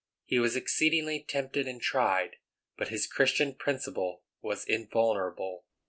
He was exceedingly tempted and tried, but his Christian principle was invulnerable.